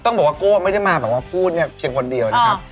ต้องบอกว่าโก้ไม่ได้มาแบบว่าพูดเนี่ยเพียงคนเดียวนะครับ